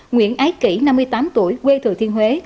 nguyễn ái kỷ năm mươi tám tuổi quê thừa thiên huế